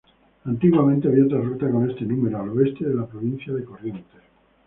Antiguamente había otra ruta con este número al oeste de la provincia de Corrientes.